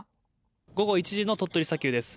午後１時の鳥取砂丘です。